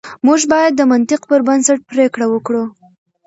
موږ بايد د منطق پر بنسټ پرېکړه وکړو.